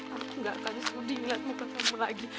aku gak akan sudi melihatmu ketemu lagi